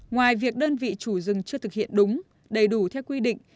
ngoài việc đơn vị chủ rừng chưa thực hiện đúng đầy đủ theo quy định